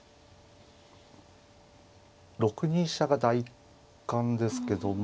６二飛車が第一感ですけども。